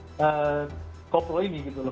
salah satunya adalah koplo ini gitu lho